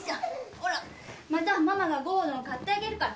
ほらまたママがゴードン買ってあげるから。